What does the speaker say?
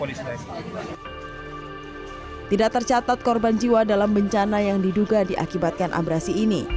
polisi tidak tercatat korban jiwa dalam bencana yang diduga diakibatkan abrasi ini